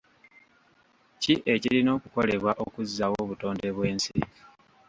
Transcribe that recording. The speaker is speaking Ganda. ki ekirina okukolebwa okuzzaawo obutonde bw'ensi?